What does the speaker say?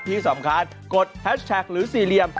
ที่สำคัญกดแฮชแท็กหรือสี่เหลี่ยม